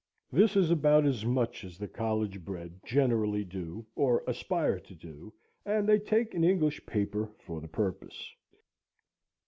This is about as much as the college bred generally do or aspire to do, and they take an English paper for the purpose.